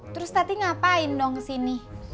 terus tati ngapain dong kesini